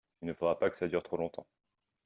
Il ne faudra pas que ça dure trop longtemps.